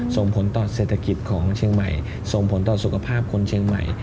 ส่งผลต่อเศรษฐกิจของเชียงใหม่ส่งผลต่อสุขภาพคนเชียงใหม่